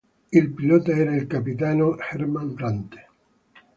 Il pilota era il capitano Herman Rante.